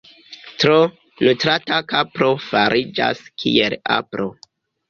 Tro nutrata kapro fariĝas kiel apro.